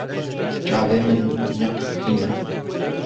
Çavên min nepixîne.